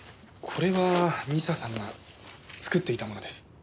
これは未紗さんが作っていたものです。